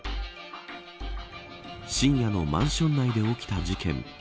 深夜のマンション内で起きた事件。